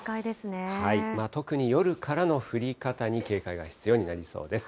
特に夜からの降り方に警戒が必要になりそうです。